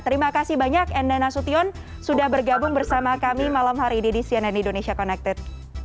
terima kasih banyak enda nasution sudah bergabung bersama kami malam hari ini di cnn indonesia connected